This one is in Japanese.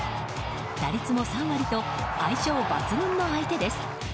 打率も３割と相性抜群の相手です。